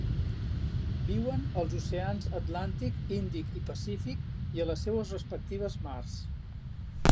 Viuen als oceans Atlàntic, Índic i Pacífic, i a les seues respectives mars.